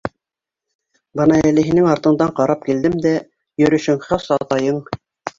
Бына әле һинең артыңдан ҡарап килдем дә, йөрөшөң хас атайың.